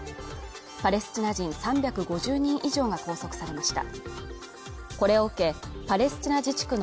パレスチナ人３５０人以上が拘束されました。